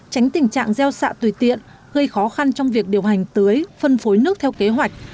tránh tình trạng gieo xạ tùy tiện gây khó khăn trong việc điều hành tưới phân phối nước theo kế hoạch